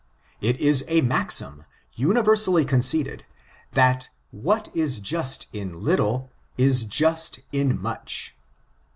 It is a maxim, universally conceded, that, *'what is just in little, id just in much."